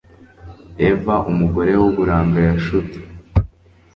Eva, umugore w’uburanga yashutswe